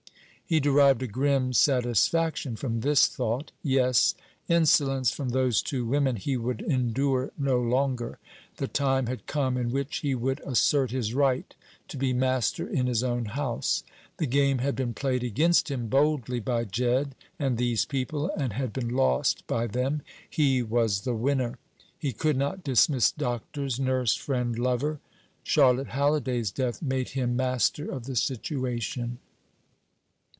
He derived a grim satisfaction from this thought. Yes; insolence from those two women he would endure no longer. The time had come in which he would assert his right to be master in his own house. The game had been played against him boldly by Jedd and these people, and had been lost by them. He was the winner. He could not dismiss doctors, nurse, friend, lover. Charlotte Halliday's death made him master of the situation.